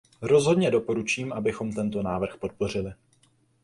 Rozhodně doporučím, abychom tento návrh podpořili.